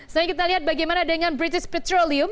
sekarang kita lihat bagaimana dengan british petroleum